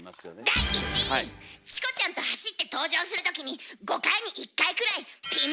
第１位！チコちゃんと走って登場するときに５回に１回くらいフフフフッ。